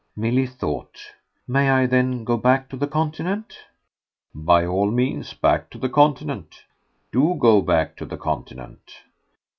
Milly thought. "May I then go back to the Continent?" "By all means back to the Continent. Do go back to the Continent."